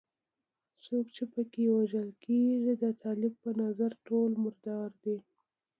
څوک چې په کې وژل کېږي د طالب په نظر ټول مردار دي.